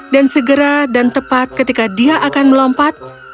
dan segera dan tepat ketika dia akan melompat